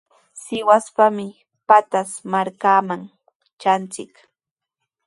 Sihuaspami Pataz markaman tranchik.